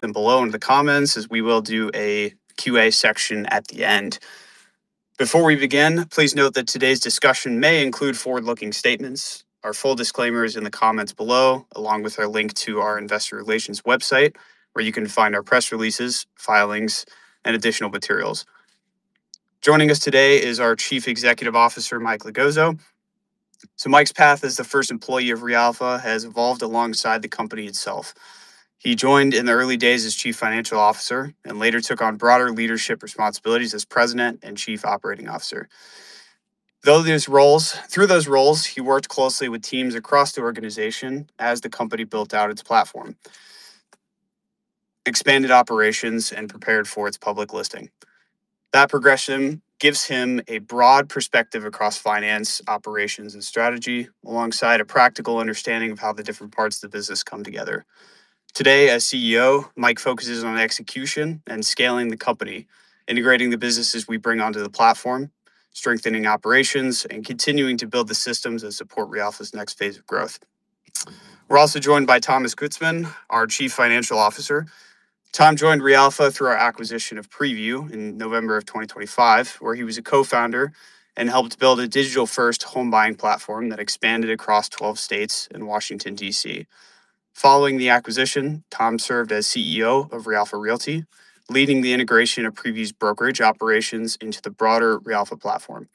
Below in the comments as we will do a Q&A section at the end. Before we begin, please note that today's discussion may include forward-looking statements. Our full disclaimer is in the comments below, along with our link to our investor relations website, where you can find our press releases, filings, and additional materials. Joining us today is our Chief Executive Officer, Mike Logozzo. Mike's path as the first employee of reAlpha has evolved alongside the company itself. He joined in the early days as Chief Financial Officer and later took on broader leadership responsibilities as President and Chief Operating Officer. Through those roles, he worked closely with teams across the organization as the company built out its platform, expanded operations, and prepared for its public listing. That progression gives him a broad perspective across finance, operations, and strategy, alongside a practical understanding of how the different parts of the business come together. Today, as CEO, Mike focuses on execution and scaling the company, integrating the businesses we bring onto the platform, strengthening operations, and continuing to build the systems that support reAlpha's next phase of growth. We're also joined by Thomas Kutzman, our Chief Financial Officer. Tom joined reAlpha through our acquisition of Prevu in November 2025, where he was a co-founder and helped build a digital-first home buying platform that expanded across 12 states and Washington, D.C. Following the acquisition, Tom served as CEO of reAlpha Realty, leading the integration of Prevu's brokerage operations into the broader reAlpha platform.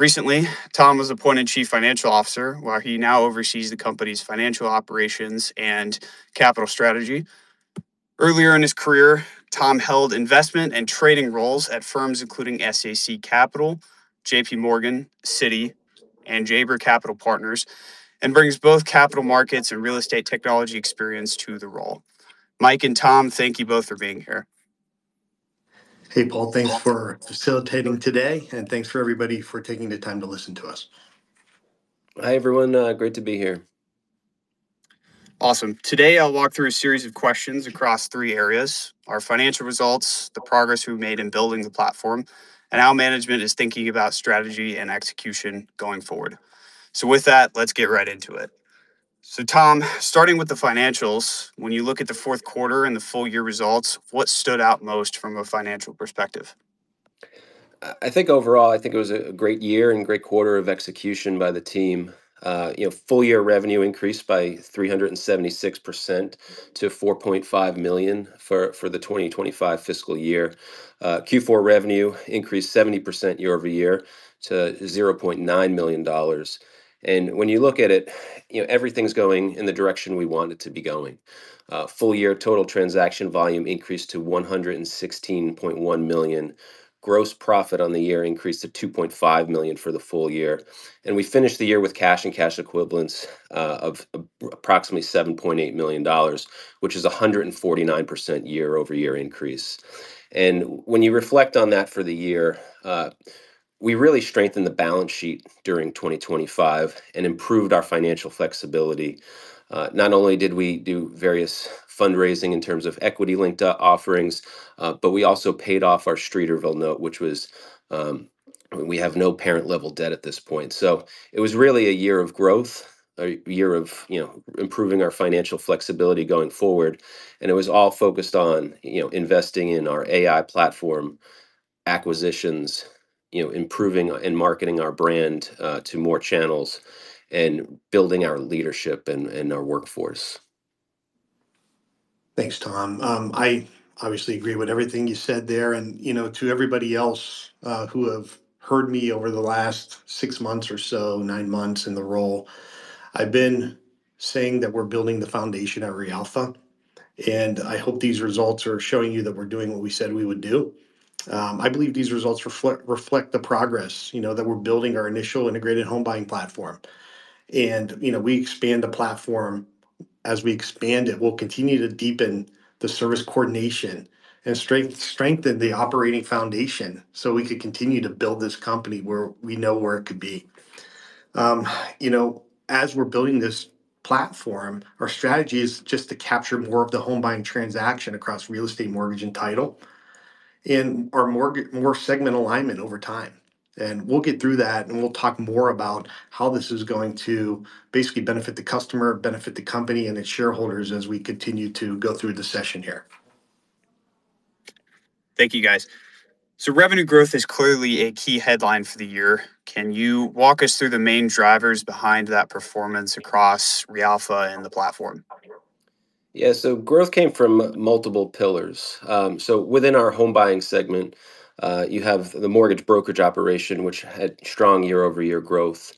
Recently, Tom was appointed Chief Financial Officer, where he now oversees the company's financial operations and capital strategy. Earlier in his career, Tom held investment and trading roles at firms including S.A.C. Capital, JPMorgan, Citi, and Jabre Capital Partners, and brings both capital markets and real estate technology experience to the role. Mike and Tom, thank you both for being here. Hey, Paul. Thanks for facilitating today, and thanks for everybody for taking the time to listen to us. Hi, everyone. Great to be here. Awesome. Today, I'll walk through a series of questions across three areas, our financial results, the progress we've made in building the platform, and how management is thinking about strategy and execution going forward. With that, let's get right into it. Tom, starting with the financials, when you look at the fourth quarter and the full year results, what stood out most from a financial perspective? I think overall, I think it was a great year and great quarter of execution by the team. You know, full year revenue increased by 376% to $4.5 million for the 2025 fiscal year. Q4 revenue increased 70% year-over-year to $0.9 million. When you look at it, you know, everything's going in the direction we want it to be going. Full year total transaction volume increased to $116.1 million. Gross profit on the year increased to $2.5 million for the full year. We finished the year with cash and cash equivalents of approximately $7.8 million, which is a 149% year-over-year increase. When you reflect on that for the year, we really strengthened the balance sheet during 2025 and improved our financial flexibility. Not only did we do various fundraising in terms of equity-linked offerings, but we also paid off our Streeterville note, which was, we have no parent level debt at this point. It was really a year of growth, a year of, you know, improving our financial flexibility going forward, and it was all focused on, you know, investing in our AI platform, acquisitions, you know, improving and marketing our brand to more channels and building our leadership and our workforce. Thanks, Tom. I obviously agree with everything you said there, and, you know, to everybody else who have heard me over the last six months or so, nine months in the role, I've been saying that we're building the foundation at reAlpha, and I hope these results are showing you that we're doing what we said we would do. I believe these results reflect the progress, you know, that we're building our initial integrated home buying platform. You know, we expand the platform. As we expand it, we'll continue to deepen the service coordination and strengthen the operating foundation, so we could continue to build this company where we know where it could be. You know, as we're building this platform, our strategy is just to capture more of the home buying transaction across real estate, mortgage, and title in our mortgage and more segment alignment over time. We'll get through that, and we'll talk more about how this is going to basically benefit the customer, benefit the company and its shareholders as we continue to go through the session here. Thank you, guys. Revenue growth is clearly a key headline for the year. Can you walk us through the main drivers behind that performance across reAlpha and the platform? Yeah. Growth came from multiple pillars. Within our home buying segment, you have the mortgage brokerage operation, which had strong year-over-year growth.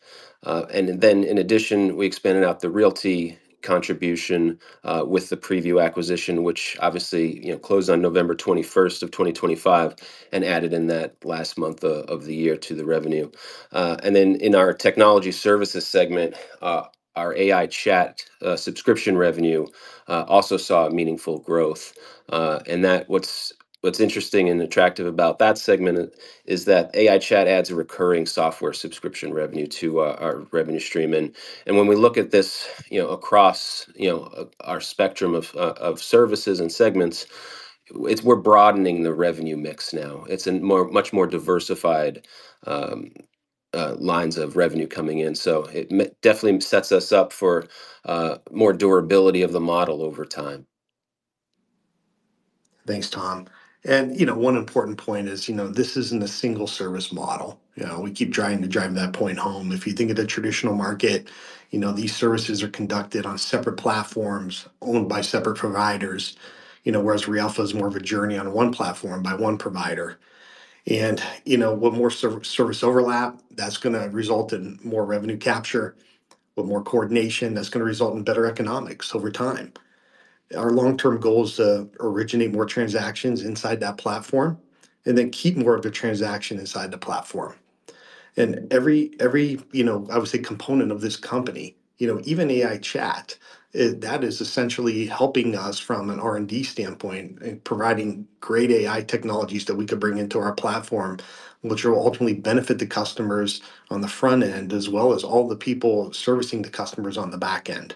In addition, we expanded out the realty contribution with the Prevu acquisition, which obviously, you know, closed on November 21st of 2025 and added in that last month of the year to the revenue. In our technology services segment, our AiChat subscription revenue also saw a meaningful growth. What's interesting and attractive about that segment is that AiChat adds a recurring software subscription revenue to our revenue stream. When we look at this, you know, across our spectrum of services and segments, we're broadening the revenue mix now. It's much more diversified lines of revenue coming in. It definitely sets us up for more durability of the model over time. Thanks, Tom. You know, one important point is, you know, this isn't a single service model. You know, we keep trying to drive that point home. If you think of the traditional market, you know, these services are conducted on separate platforms owned by separate providers, you know, whereas reAlpha is more of a journey on one platform by one provider. You know, with more service overlap, that's gonna result in more revenue capture, with more coordination, that's gonna result in better economics over time. Our long-term goal is to originate more transactions inside that platform and then keep more of the transaction inside the platform. Every, you know, I would say, component of this company, you know, even AiChat, that is essentially helping us from an R&D standpoint in providing great AI technologies that we could bring into our platform, which will ultimately benefit the customers on the front end as well as all the people servicing the customers on the back end.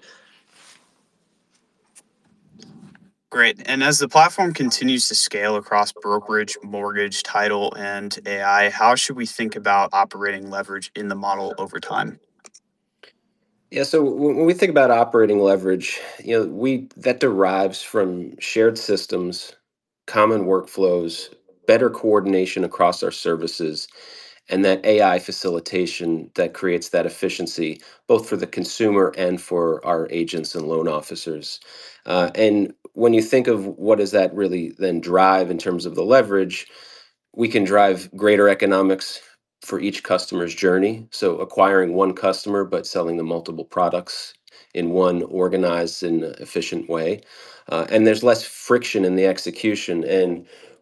Great. As the platform continues to scale across brokerage, mortgage, title, and AI, how should we think about operating leverage in the model over time? Yeah. When we think about operating leverage, you know, that derives from shared systems, common workflows, better coordination across our services, and that AI facilitation that creates that efficiency both for the consumer and for our agents and loan officers. When you think of what does that really then drive in terms of the leverage, we can drive greater economics for each customer's journey, so acquiring one customer, but selling them multiple products in one organized and efficient way. There's less friction in the execution.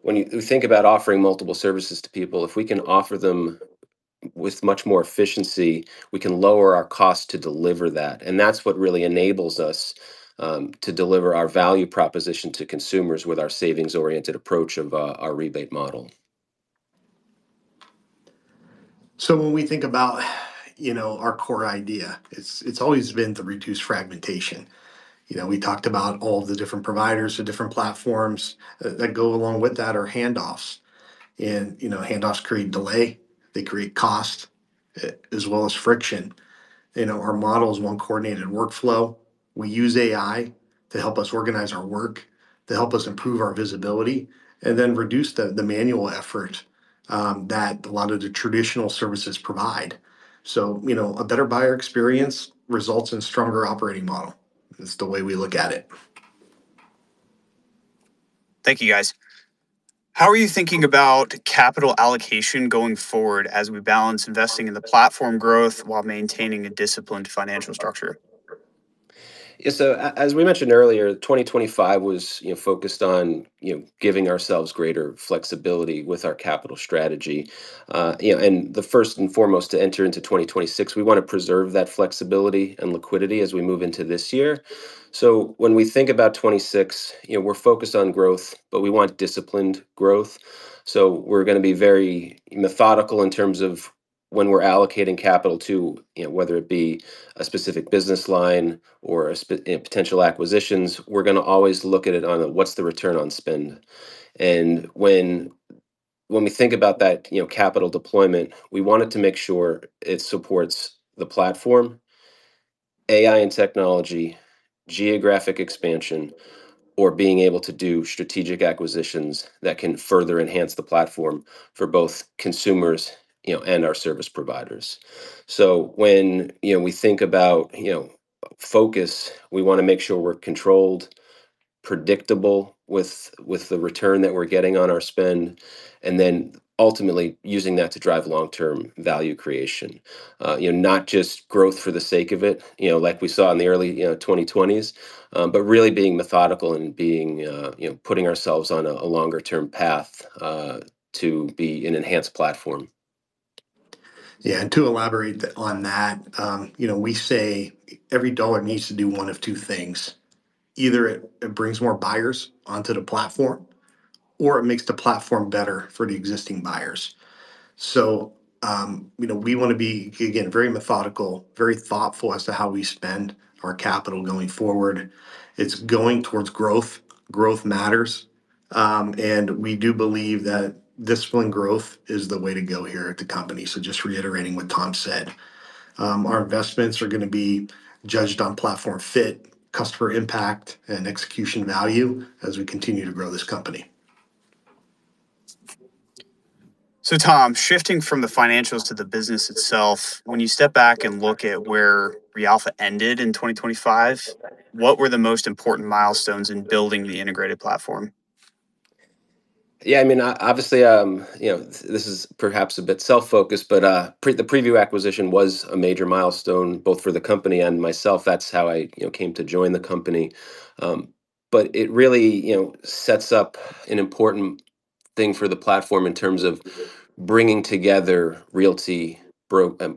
When we think about offering multiple services to people, if we can offer them with much more efficiency, we can lower our cost to deliver that. That's what really enables us to deliver our value proposition to consumers with our savings-oriented approach of our rebate model. When we think about, you know, our core idea, it's always been to reduce fragmentation. You know, we talked about all the different providers, the different platforms. That goes along with that are handoffs. You know, handoffs create delay, they create cost, as well as friction. You know, our model is one coordinated workflow. We use AI to help us organize our work, to help us improve our visibility, and then reduce the manual effort that a lot of the traditional services provide. You know, a better buyer experience results in stronger operating model. It's the way we look at it. Thank you, guys. How are you thinking about capital allocation going forward as we balance investing in the platform growth while maintaining a disciplined financial structure? As we mentioned earlier, 2025 was, you know, focused on, you know, giving ourselves greater flexibility with our capital strategy. First and foremost to enter into 2026, we wanna preserve that flexibility and liquidity as we move into this year. When we think about 2026, you know, we're focused on growth, but we want disciplined growth. We're gonna be very methodical in terms of when we're allocating capital to, you know, whether it be a specific business line or a potential acquisitions. We're gonna always look at it on a what's the return on spend. When we think about that, you know, capital deployment, we wanted to make sure it supports the platform, AI and technology, geographic expansion, or being able to do strategic acquisitions that can further enhance the platform for both consumers, you know, and our service providers. When, you know, we think about, you know, focus, we wanna make sure we're controlled, predictable with the return that we're getting on our spend, and then ultimately using that to drive long-term value creation. You know, not just growth for the sake of it, you know, like we saw in the early 2020s, but really being methodical and being, you know, putting ourselves on a longer-term path to be an enhanced platform. Yeah. To elaborate on that, we say every dollar needs to do one of two things. Either it brings more buyers onto the platform, or it makes the platform better for the existing buyers. We wanna be, again, very methodical, very thoughtful as to how we spend our capital going forward. It's going towards growth. Growth matters. We do believe that disciplined growth is the way to go here at the company. Just reiterating what Tom said, our investments are gonna be judged on platform fit, customer impact, and execution value as we continue to grow this company. Tom, shifting from the financials to the business itself, when you step back and look at where reAlpha ended in 2025, what were the most important milestones in building the integrated platform? Yeah, I mean, obviously, you know, this is perhaps a bit self-focused, but, the Prevu acquisition was a major milestone both for the company and myself. That's how I, you know, came to join the company. It really, you know, sets up an important thing for the platform in terms of bringing together realty,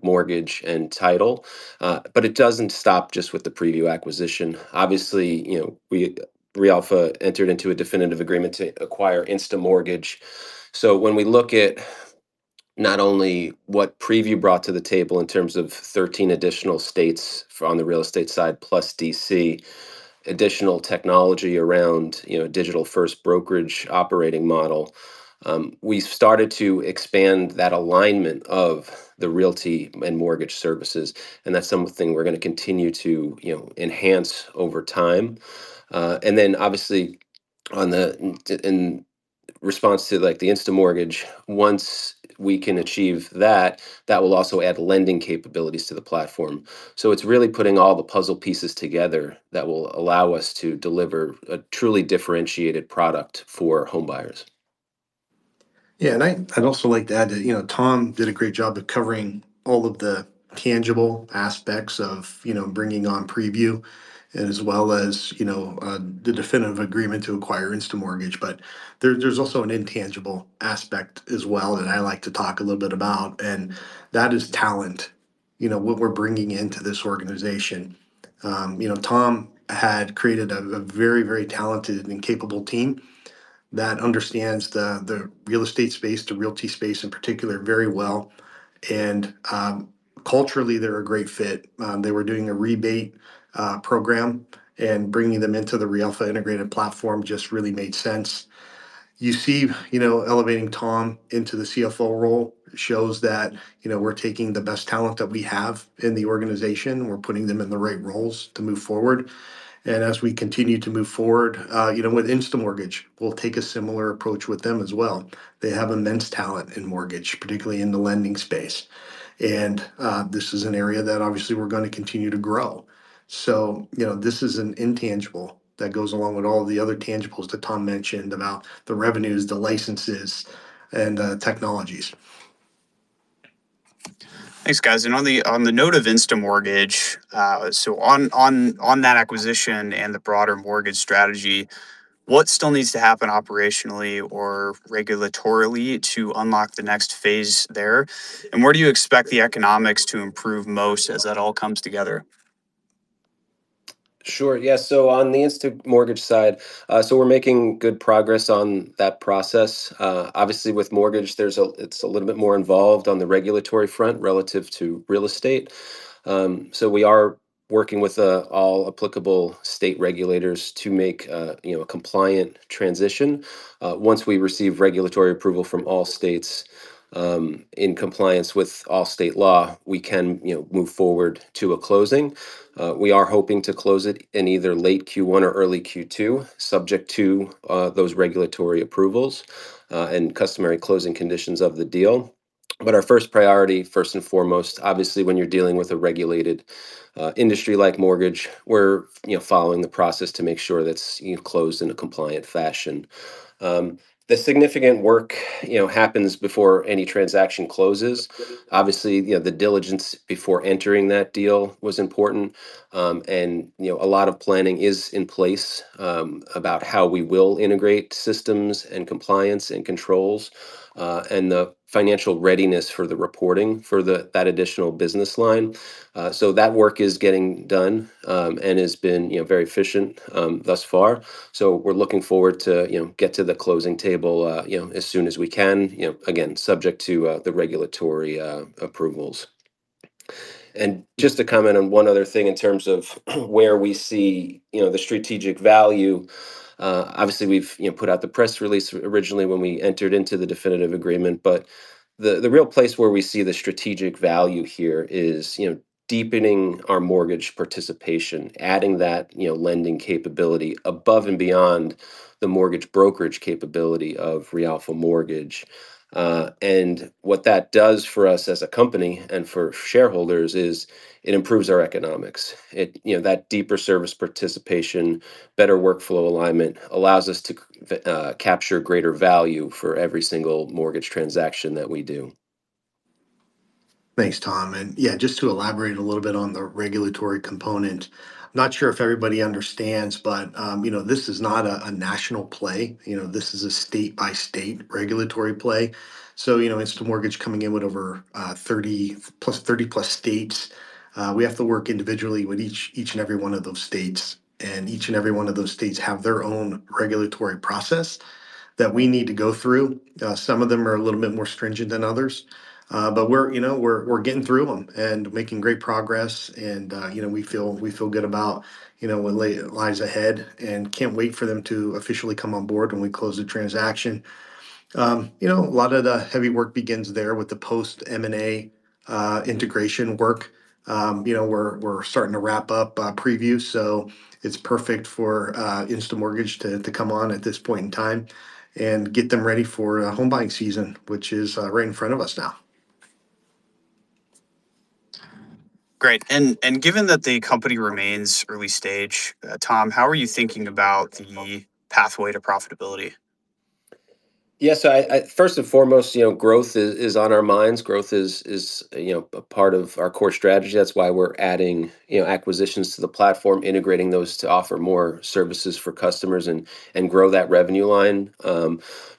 mortgage, and title. It doesn't stop just with the Prevu acquisition. Obviously, you know, reAlpha entered into a definitive agreement to acquire InstaMortgage. When we look at not only what Prevu brought to the table in terms of 13 additional states on the real estate side plus D.C., additional technology around, you know, digital-first brokerage operating model, we started to expand that alignment of the realty and mortgage services, and that's something we're gonna continue to, you know, enhance over time. Obviously, in response to, like, the InstaMortgage, once we can achieve that will also add lending capabilities to the platform. It's really putting all the puzzle pieces together that will allow us to deliver a truly differentiated product for home buyers. Yeah, I'd also like to add that, you know, Tom did a great job of covering all of the tangible aspects of, you know, bringing on Prevu as well as, you know, the definitive agreement to acquire InstaMortgage. There's also an intangible aspect as well that I'd like to talk a little bit about, and that is talent, you know, what we're bringing into this organization. You know, Tom had created a very talented and capable team that understands the real estate space, the realty space in particular very well, and culturally they're a great fit. They were doing a rebate program, and bringing them into the reAlpha integrated platform just really made sense. You see, you know, elevating Tom into the CFO role shows that, you know, we're taking the best talent that we have in the organization. We're putting them in the right roles to move forward. As we continue to move forward, you know, with InstaMortgage, we'll take a similar approach with them as well. They have immense talent in mortgage, particularly in the lending space, and this is an area that obviously we're gonna continue to grow. You know, this is an intangible that goes along with all the other tangibles that Tom mentioned about the revenues, the licenses, and technologies. Thanks, guys. On the note of InstaMortgage, so on that acquisition and the broader mortgage strategy, what still needs to happen operationally or regulatorily to unlock the next phase there? Where do you expect the economics to improve most as that all comes together? Sure. Yeah, so on the InstaMortgage side, so we're making good progress on that process. Obviously with mortgage it's a little bit more involved on the regulatory front relative to real estate. We are working with all applicable state regulators to make, you know, a compliant transition. Once we receive regulatory approval from all states, in compliance with all state laws, we can, you know, move forward to a closing. We are hoping to close it in either late Q1 or early Q2, subject to those regulatory approvals and customary closing conditions of the deal. Our first priority, first and foremost, obviously when you're dealing with a regulated industry like mortgage, we're, you know, following the process to make sure that's, you know, closed in a compliant fashion. The significant work, you know, happens before any transaction closes. Obviously, you know, the diligence before entering that deal was important. You know, a lot of planning is in place about how we will integrate systems and compliance and controls, and the financial readiness for the reporting for that additional business line. That work is getting done and has been, you know, very efficient thus far. We're looking forward to, you know, get to the closing table, you know, as soon as we can, you know, again, subject to the regulatory approvals. Just to comment on one other thing in terms of where we see, you know, the strategic value. Obviously we've, you know, put out the press release originally when we entered into the definitive agreement, but the real place where we see the strategic value here is, you know, deepening our mortgage participation, adding that, you know, lending capability above and beyond the mortgage brokerage capability of reAlpha Mortgage. What that does for us as a company and for shareholders is it improves our economics. It, you know, that deeper service participation, better workflow alignment allows us to capture greater value for every single mortgage transaction that we do. Thanks, Tom. Yeah, just to elaborate a little bit on the regulatory component. Not sure if everybody understands, but you know, this is not a national play. You know, this is a state-by-state regulatory play. You know, InstaMortgage coming in with over 30+ states, we have to work individually with each and every one of those states, and each and every one of those states have their own regulatory process that we need to go through. Some of them are a little bit more stringent than others, but we're getting through them and making great progress, and you know, we feel good about what lies ahead and can't wait for them to officially come on board when we close the transaction. You know, a lot of the heavy work begins there with the post-M&A integration work. You know, we're starting to wrap up Prevu, so it's perfect for InstaMortgage to come on at this point in time and get them ready for home buying season, which is right in front of us now. Great. Given that the company remains early stage, Tom, how are you thinking about the pathway to profitability? Yeah, first and foremost, you know, growth is on our minds. Growth is, you know, a part of our core strategy. That's why we're adding, you know, acquisitions to the platform, integrating those to offer more services for customers and grow that revenue line.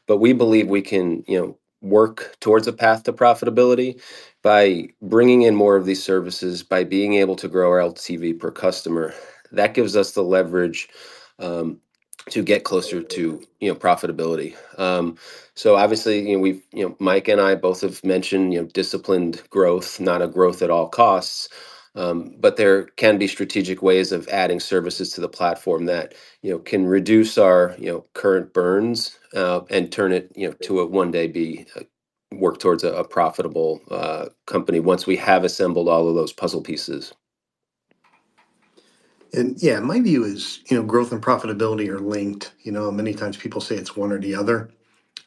We believe we can, you know, work towards a path to profitability by bringing in more of these services, by being able to grow our LTV per customer. That gives us the leverage to get closer to, you know, profitability. Obviously, you know, we've, you know, Mike and I both have mentioned, you know, disciplined growth, not a growth at all costs, but there can be strategic ways of adding services to the platform that, you know, can reduce our, you know, current burns, and turn it, you know, to one day be a profitable company once we have assembled all of those puzzle pieces. Yeah, my view is, you know, growth and profitability are linked. You know, many times people say it's one or the other,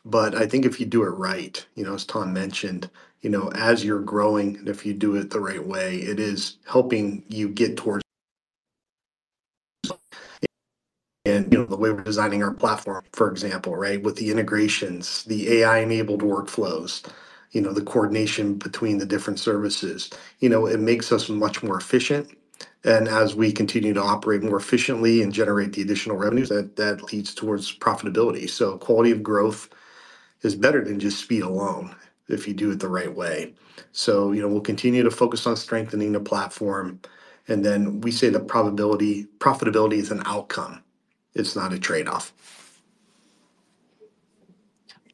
but I think if you do it right, you know, as Tom mentioned, you know, as you're growing, and if you do it the right way, it is helping you get towards profitability. You know, the way we're designing our platform, for example, right, with the integrations, the AI-enabled workflows, you know, the coordination between the different services. You know, it makes us much more efficient, and as we continue to operate more efficiently and generate the additional revenues, that leads towards profitability. Quality of growth is better than just speed alone if you do it the right way. You know, we'll continue to focus on strengthening the platform, and then we say profitability is an outcome. It's not a trade-off.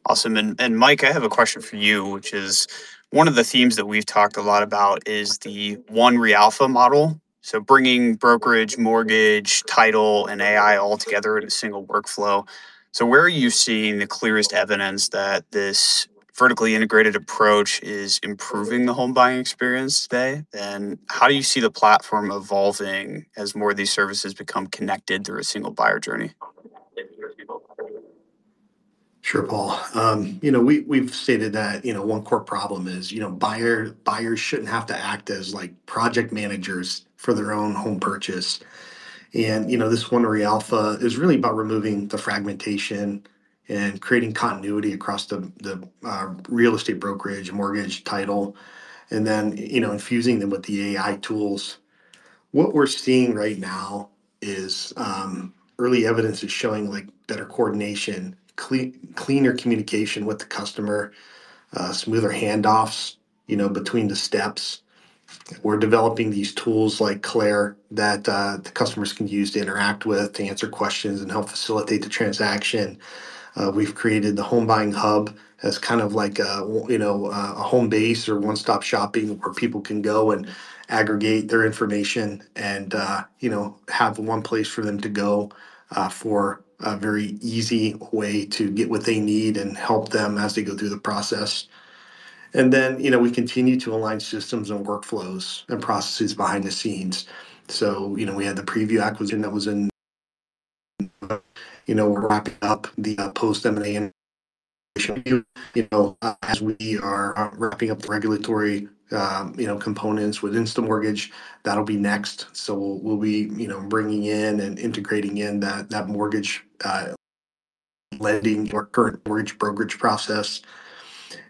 Awesome. Mike, I have a question for you, which is, one of the themes that we've talked a lot about is the One reAlpha model, so bringing brokerage, mortgage, title, and AI all together in a single workflow. Where are you seeing the clearest evidence that this vertically integrated approach is improving the home buying experience today? How do you see the platform evolving as more of these services become connected through a single buyer journey? Sure, Paul. You know, we've stated that, you know, one core problem is, you know, buyers shouldn't have to act as, like, project managers for their own home purchase. You know, this One reAlpha is really about removing the fragmentation and creating continuity across the real estate brokerage, mortgage title, and then, you know, infusing them with the AI tools. What we're seeing right now is early evidence is showing, like, better coordination, cleaner communication with the customer, smoother handoffs, you know, between the steps. We're developing these tools like Claire that the customers can use to interact with, to answer questions and help facilitate the transaction. We've created the Homebuying Hub as kind of like a, you know, a home base or one-stop shopping where people can go and aggregate their information and, you know, have one place for them to go, for a very easy way to get what they need and help them as they go through the process. You know, we continue to align systems and workflows and processes behind the scenes. You know, we had the Prevu acquisition that was in, you know, wrapping up the post-M&A, you know, as we are wrapping up the regulatory, you know, components with InstaMortgage, that'll be next. We'll be, you know, bringing in and integrating in that mortgage lending or current mortgage brokerage process.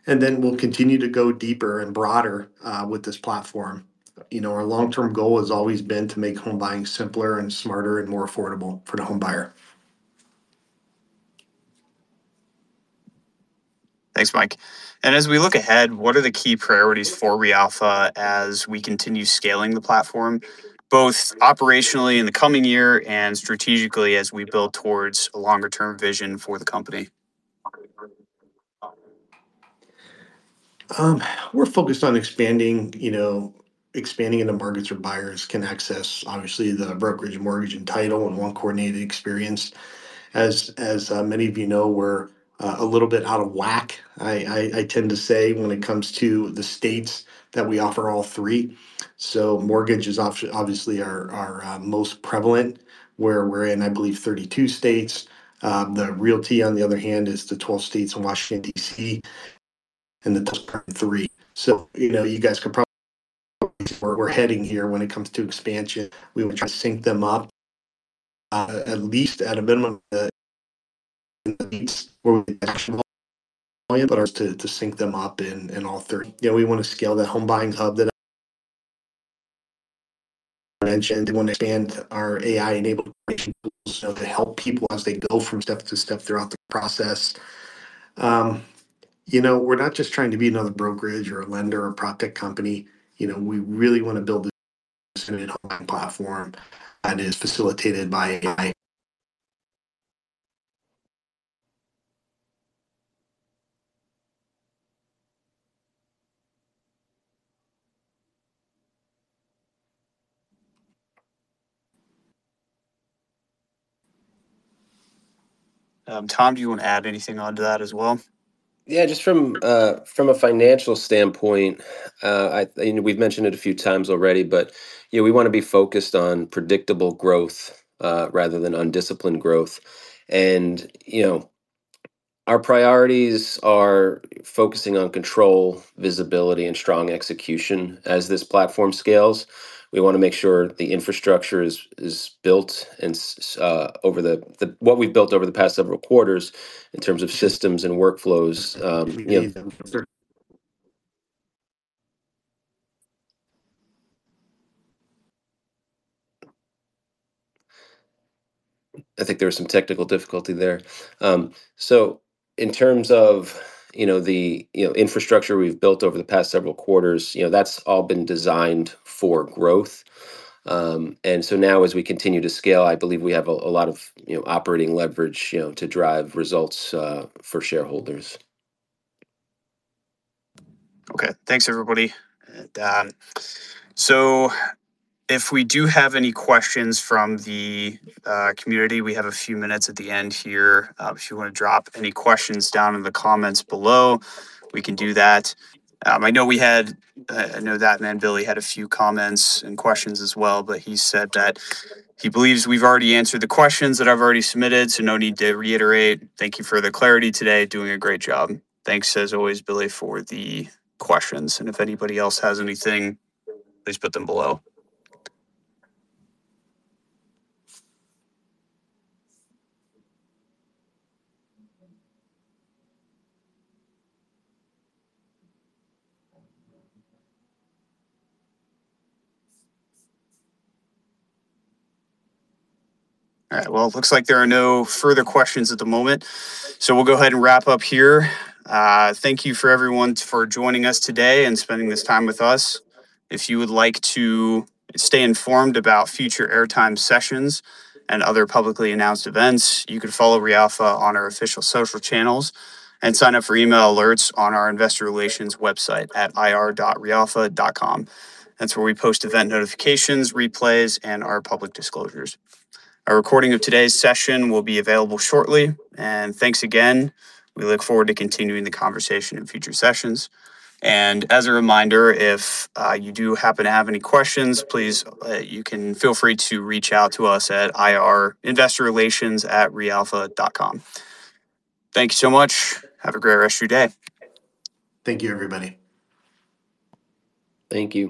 We'll continue to go deeper and broader, with this platform. You know, our long-term goal has always been to make home buying simpler and smarter and more affordable for the home buyer. Thanks, Mike. As we look ahead, what are the key priorities for reAlpha as we continue scaling the platform, both operationally in the coming year and strategically as we build towards a longer-term vision for the company? We're focused on expanding, you know, expanding into markets where buyers can access, obviously, the brokerage, mortgage, and title in one coordinated experience. As many of you know, we're a little bit out of whack. I tend to say, when it comes to the states that we offer all three. Mortgage is obviously our most prevalent. We're in, I believe, 32 states. The realty, on the other hand, is in 12 states and Washington, D.C., and the top three. You know, you guys can probably. We're heading here when it comes to expansion. We would try to sync them up, at least at a minimum to sync them up in all 30. Yeah, we wanna scale that Home Buying Hub that mentioned. We want to expand our AI-enabled to help people as they go from step to step throughout the process. You know, we're not just trying to be another brokerage or a lender or Proptech company. You know, we really wanna build a platform that is facilitated by AI. Tom, do you want to add anything onto that as well? Yeah, just from a financial standpoint, you know, we've mentioned it a few times already, but yeah, we wanna be focused on predictable growth rather than undisciplined growth. You know, our priorities are focusing on control, visibility, and strong execution as this platform scales. We wanna make sure the infrastructure is what we've built over the past several quarters in terms of systems and workflows, you know. I think there was some technical difficulty there. In terms of the infrastructure we've built over the past several quarters, you know, that's all been designed for growth. Now as we continue to scale, I believe we have a lot of operating leverage, you know, to drive results for shareholders. Okay. Thanks, everybody. If we do have any questions from the community, we have a few minutes at the end here. If you wanna drop any questions down in the comments below, we can do that. I know we had, I know that man Billy had a few comments and questions as well, but he said that he believes we've already answered the questions that I've already submitted, so no need to reiterate. Thank you for the clarity today. Doing a great job. Thanks as always, Billy, for the questions. If anybody else has anything, please put them below. All right. Well, it looks like there are no further questions at the moment, so we'll go ahead and wrap up here. Thank you for everyone for joining us today and spending this time with us. If you would like to stay informed about future Airtime sessions and other publicly announced events, you can follow reAlpha on our official social channels and sign up for email alerts on our investor relations website at ir.realpha.com. That's where we post event notifications, replays, and our public disclosures. A recording of today's session will be available shortly. Thanks again. We look forward to continuing the conversation in future sessions. As a reminder, if you do happen to have any questions, please you can feel free to reach out to us at investorrelations@realpha.com. Thank you so much. Have a great rest of your day. Thank you, everybody. Thank you.